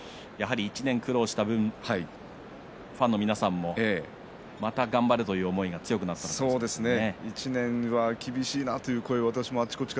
１年苦労した分ファンの皆さんもまた頑張れという思いが強くなったんじゃないでしょうか。